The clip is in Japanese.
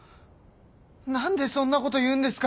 何でそんなこと言うんですか。